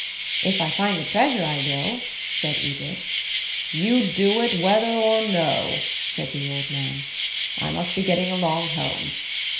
"If I find the treasure I will," said Edred. "You do it whether or no," said the old man. "I must be getting along home.